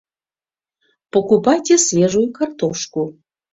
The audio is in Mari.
Покупайте свежую картошку!